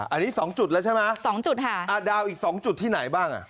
อันนี้สองจุดแล้วใช่ไหมสองจุดค่ะอ่าดาวอีกสองจุดที่ไหนบ้างอ่ะ